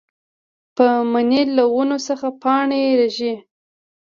پۀ مني له ونو څخه پاڼې رژيږي